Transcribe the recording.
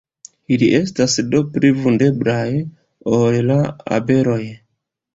Ili estas do pli vundeblaj ol la abeloj.